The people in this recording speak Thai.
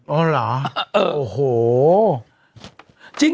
เออหรอโอ้โห